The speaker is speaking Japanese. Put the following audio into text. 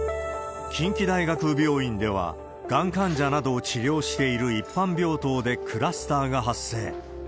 近畿大学病院では、がん患者などを治療している一般病棟でクラスターが発生。